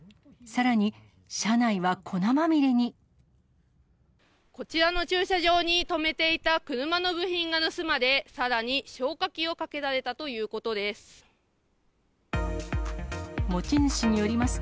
さらに、こちらの駐車場に止めていた車の部品が盗まれ、さらに消火器をかけられたということです。